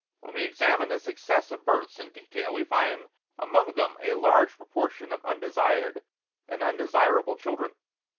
When we examine this excess of births in detail we find among them a large proportion of undesired and undesirable children.